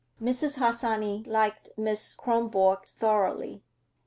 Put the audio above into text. Mrs. Harsanyi liked Miss Kronborg thoroughly.